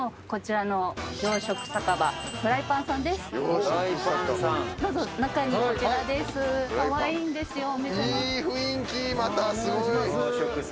こちらです。